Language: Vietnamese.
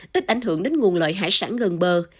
tích ảnh hưởng đến nguồn lợi hải sản gần bờ